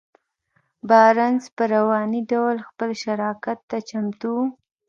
بارنس په رواني ډول خپل شراکت ته چمتو و.